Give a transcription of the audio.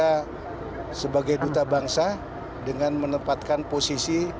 kita sebagai duta bangsa dengan menempatkan posisi